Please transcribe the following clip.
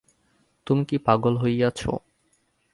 তুমি কি পাগল হইয়াছ?